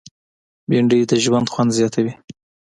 بېنډۍ د ژوند خوند زیاتوي